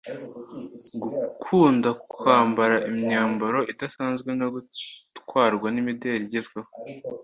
Gukunda kwambara imyambaro idasanzwe, no gutwarwa n’imideri igezweho,